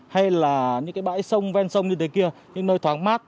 hay bãi sông ven sông như thế kia những nơi thoáng mát